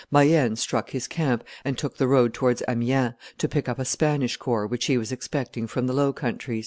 Mayenne struck his camp and took the road towards Amiens, to pick up a Spanish corps which he was expecting from the Low Countries.